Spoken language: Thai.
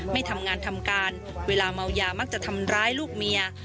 ไม่ทำงานทำการเวลาเมายามักจะทำร้ายลูกเมีย